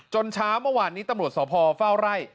จนช้าเมื่อวานนี้ตำรวจสพคุณฝ้าวไร้